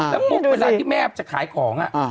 แล้วปุ๊บเวลาที่แม่จะขายของ